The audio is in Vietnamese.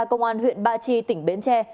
công an huyện ba chi tỉnh bến tre